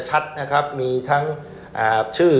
ชัดมีทั้งชื่อ